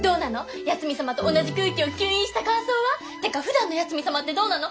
八海サマと同じ空気を吸引した感想は！？ってかふだんの八海サマってどうなの？